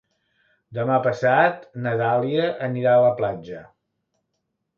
Demà passat na Dàlia anirà a la platja.